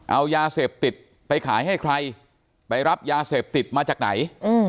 เอายาเสพติดไปขายให้ใครไปรับยาเสพติดมาจากไหน